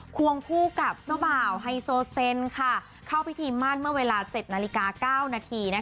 ควงผู้กับเจ้าบ่าวไฮโซเซนค่ะเข้าพิธีม่านเมื่อเวลาเจ็ดนาฬิกาเก้านาทีนะคะ